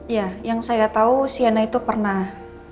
ya yang saya tahu siana itu pernah